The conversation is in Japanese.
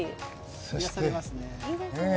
癒やされますね。